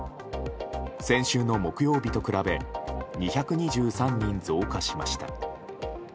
先週の木曜日と比べ２２３人増加しました。